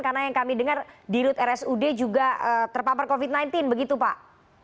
karena yang kami dengar di rute rsud juga terpapar covid sembilan belas begitu pak